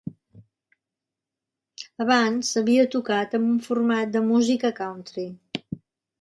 Abans, havia tocat amb un format de música country.